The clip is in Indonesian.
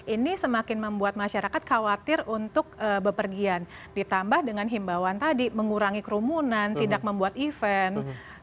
ini semakin membuat masyarakat khawatir untuk bepergian ditambah dengan himbawan tadi mengurangi kerumunan tidak membuat event